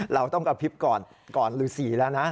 เราต้องกระพริบก่อนหรือสี่แล้วนะ